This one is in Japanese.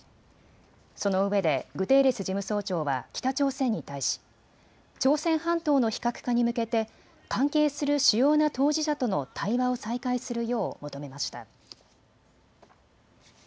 そのうえでグテーレス事務総長は北朝鮮に対し、朝鮮半島の非核化に向けて関係する主要な当事者との対話を再開するよう求めました。